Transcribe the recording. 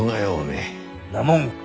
んなもん